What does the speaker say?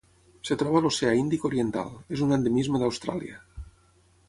Es troba a l'Oceà Índic oriental: és un endemisme d'Austràlia.